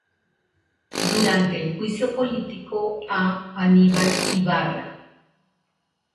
Durante el juicio político a Aníbal Ibarra.